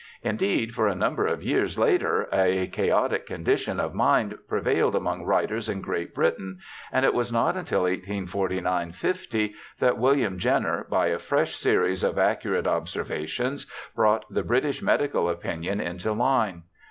Indeed, for a number of years later a chaotic condition of mind prevailed among writers in Great Britain, and it was not until 1849 50 that William Jenner, by a fresh series of accurate observations, brought the British medical opinion into line.